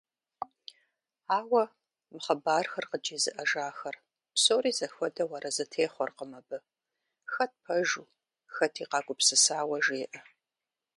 Ауэ мы хъыбархэр къыджезыӏэжахэр псори зэхуэдэу арэзы техъуэркъым абы, хэт пэжу, хэти къагупсысауэ жеӏэ.